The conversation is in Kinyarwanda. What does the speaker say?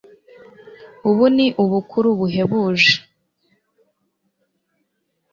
ubu ni ubukuru buhebuje